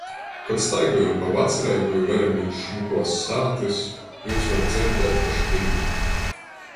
Kod staigojam pa Vacreigu i veramēs šmukuos sātys, jūs var dzierdēt až tī.